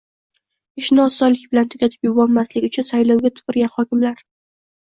Ishni osonlik bilan tugatib yubormaslik uchun saylovga tupurgan hokimlar "